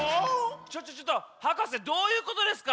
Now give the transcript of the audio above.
ちょっとちょっとはかせどういうことですか？